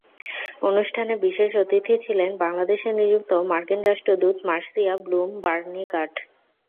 অনুষ্ঠানে বিশেষ অতিথি ছিলেন বাংলাদেশে নিযুক্ত মার্কিন রাষ্ট্রদূত মার্সিয়া ব্লুম বার্নিকাট।